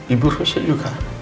ibu rusuk juga